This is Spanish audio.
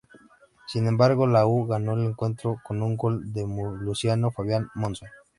Sin embargo, la U ganó el encuentro con un gol de Luciano Fabián Monzón.